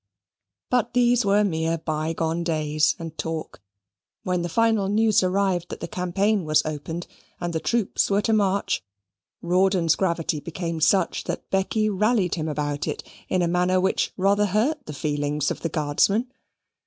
But these were mere by gone days and talk. When the final news arrived that the campaign was opened, and the troops were to march, Rawdon's gravity became such that Becky rallied him about it in a manner which rather hurt the feelings of the Guardsman.